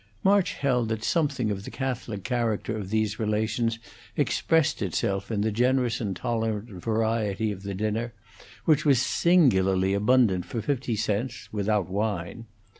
March held that something of the catholic character of these relations expressed itself in the generous and tolerant variety of the dinner, which was singularly abundant for fifty cents, without wine.